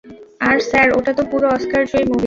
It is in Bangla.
আর স্যার, ওটাতো পুরো অস্কারজয়ী মুভি।